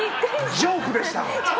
ジョークでした！